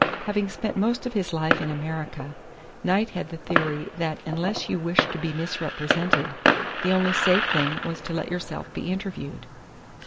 Having spent most of his life in America, Knight had the theory that unless you wished to be misrepresented, the only safe thing was to let yourself be interviewed.